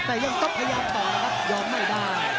แต่ยังต้องพยายามต่อครับยอมไม่ได้